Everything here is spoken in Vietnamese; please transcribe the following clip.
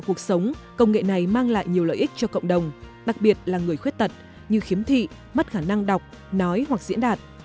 công nghệ này mang lại nhiều lợi ích cho cộng đồng đặc biệt là người khuyết tật như khiếm thị mất khả năng đọc nói hoặc diễn đạt